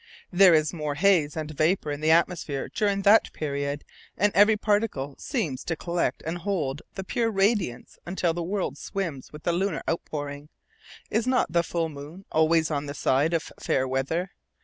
There is more haze and vapor in the atmosphere during that period, and every pariticle seems to collect and hold the pure radiance until the world swims with the lunar outpouring. Is not the full moon always on the side of fair weather?